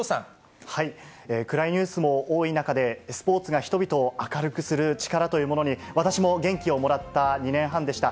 暗いニュースも多い中で、スポーツが人々を明るくする力というものに私も元気をもらった２年半でした。